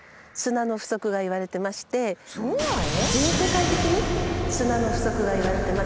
そうなの？